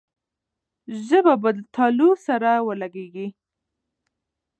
ژبه به د تالو سره ولګېږي.